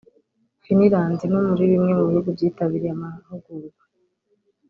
Finland no muri bimwe mu bihugu byitabiriye amahugurwa